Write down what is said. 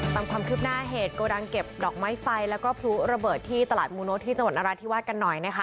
ตามความคืบหน้าเหตุโกดังเก็บดอกไม้ไฟแล้วก็พลุระเบิดที่ตลาดมูโน้ตที่จังหวัดนราธิวาสกันหน่อยนะคะ